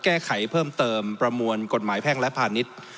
แก้ไขเพิ่มเติมประมวลกฎหมายแพ่งและพาณิชย์